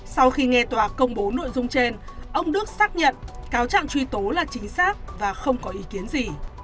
sau khi nghe tòa công bố nội dung trên ông đức xác nhận cáo trạng truy tố là chính xác và không có ý kiến gì